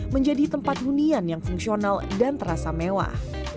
menjadi tempat hunian yang fungsional dan terasa mewah